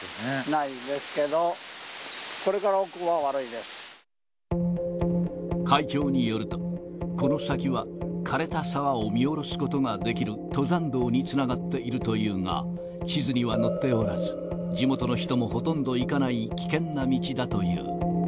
ないですけど、これから奥は会長によると、この先はかれた沢を見下ろすことができる登山道につながっているというが、地図には載っておらず、地元の人もほとんど行かない危険な道だという。